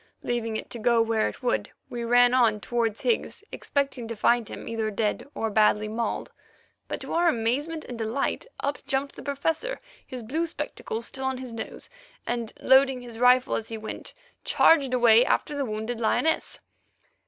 Leaving it to go where it would, we ran on towards Higgs, expecting to find him either dead or badly mauled, but, to our amazement and delight, up jumped the Professor, his blue spectacles still on his nose, and, loading his rifle as he went, charged away after the wounded lioness.